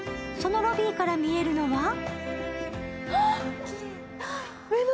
そのロビーから見えるのは？